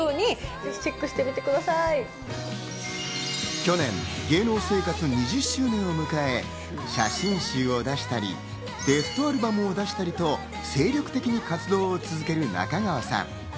去年、芸能生活２０周年を迎え、写真集を出したり、ベストアルバムを出したりと精力的に活動を続ける中川さん。